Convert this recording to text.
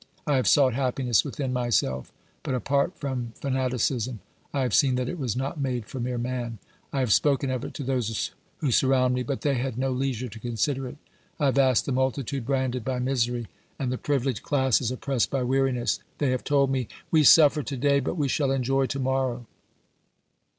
I have sought happiness within myself, but, apart from fanati cism, I have seen that it was not made for mere man; I 144 OBERMANN have spoken of it to those who surround me, but they had no leisure to consider it. I have asked the multitude branded by misery and the privileged classes oppressed by weariness ; they have told me :" We suffer to day, but we shall enjoy to morrow."